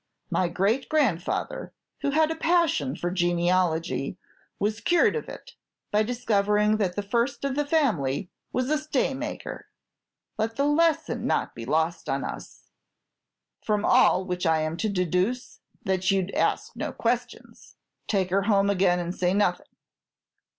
My great grandfather, who had a passion for genealogy, was cured of it by discovering that the first of the family was a staymaker! Let the lesson not be lost on us." "From all which I am to deduce that you 'd ask no questions, take her home again, and say nothing."